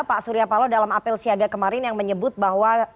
pak surya palo dalam apel siaga kemarin yang menyebut bahwa